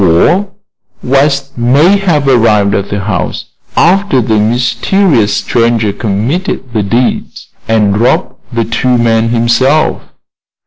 Or West may have arrived at the house after the mysterious stranger committed the deed, and robbed the two men himself."